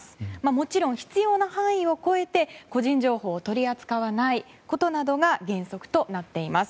もちろん、必要な範囲を超えて個人情報を取り扱わないことなどが原則となっています。